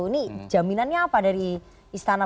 ini jaminannya apa dari istana